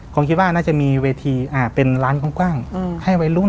ผมคิดว่าน่าจะมีเวทีเป็นร้านกว้างให้วัยรุ่น